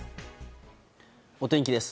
お天気です。